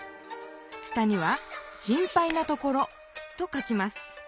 下には「心配なところ」と書きます。